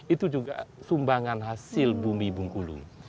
itu juga sumbangan hasil bumi bungkulu